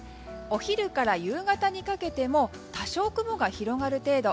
お昼から夕方にかけても多少、雲が広がる程度。